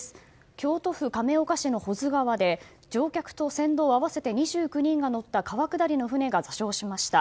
京都府亀岡市の保津川で乗客と船頭合わせて２９人が乗った川下りの船が座礁しました。